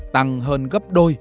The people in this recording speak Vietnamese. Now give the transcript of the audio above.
tăng hơn gấp đôi